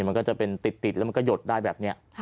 มันก็จะเป็นติดแล้วมันก็หยดได้แบบนี้